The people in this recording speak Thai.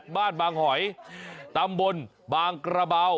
บางหอยตำบลบางกระเบา